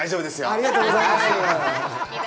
ありがとうございます。